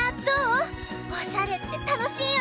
おしゃれってたのしいよね！